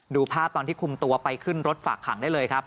ดูภาพตอนที่คุมตัวไปขึ้นรถฝากขังได้เลยครับ